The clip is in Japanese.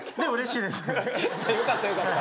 よかったよかった。